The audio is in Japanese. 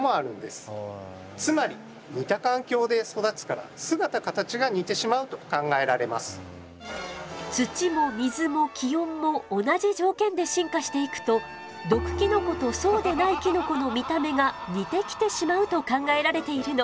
つまり土も水も気温も同じ条件で進化していくと毒キノコとそうでないキノコの見た目が似てきてしまうと考えられているの。